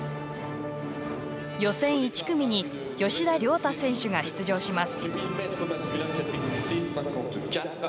予選１組に吉田竜太選手が出場します。